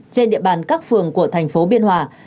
trên địa bàn các phường của thành phố biên hòa